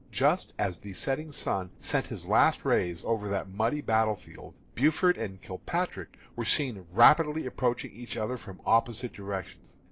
"Just as the setting sun sent his last rays over that muddy battle field, Buford and Kilpatrick were seen rapidly approaching each other from opposite directions.